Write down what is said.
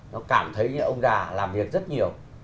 nó cảm thấy như ông già làm việc rất nhiều